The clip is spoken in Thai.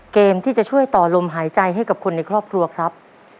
เกมที่จะช่วยต่อลมหายใจให้กับคนในครอบครัวครับ